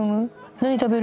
「何食べる？」